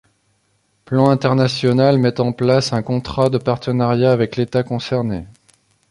Plan International met en place un contrat de partenariat avec l’État concerné.